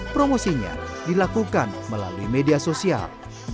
promosinya dilakukan melalui media sosial